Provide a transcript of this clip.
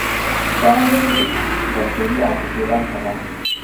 دا لړۍ د بشري حافظې برخه ده.